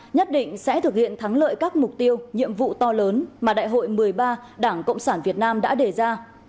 nhất định sẽ thực hiện thắng lợi các mục tiêu nhiệm vụ to lớn mà đại hội một mươi ba đảng cộng sản việt nam đã đề ra